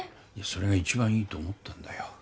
それが一番いいと思ったんだよ